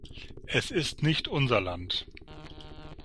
Es ist nicht unser Land.